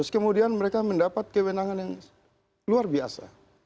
kemudian mereka mendapat kewenangan yang luar biasa